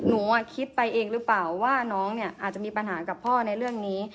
หนูคิดไปเองหรือเปล่าว่าน้องเนี่ยอาจจะมีปัญหากับพ่อในเรื่องนี้